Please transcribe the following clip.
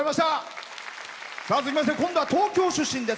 続きまして今度は東京出身です。